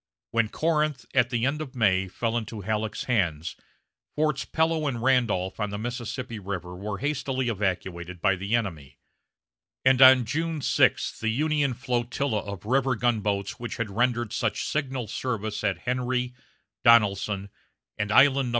When Corinth, at the end of May, fell into Halleck's hands, Forts Pillow and Randolph on the Mississippi River were hastily evacuated by the enemy, and on June 6 the Union flotilla of river gunboats which had rendered such signal service at Henry, Donelson, and Island No.